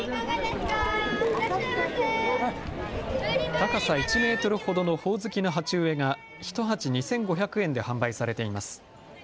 高さ１メートルほどのほおずきの鉢植えが１鉢２５００円で販売されています。